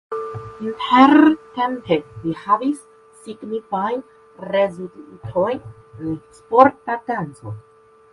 Interrtempe li havis signifajn rezultojn en sporta danco.